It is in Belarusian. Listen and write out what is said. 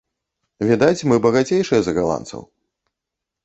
Відаць, мы багацейшыя за галандцаў.